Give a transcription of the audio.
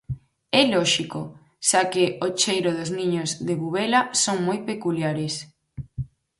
É lóxico, xa que o cheiro dos niños de bubela son moi peculiares.